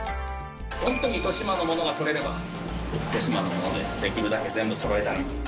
ホントに糸島のものがとれれば糸島のものでできるだけ全部そろえたい。